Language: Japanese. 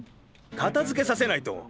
片づけさせないと。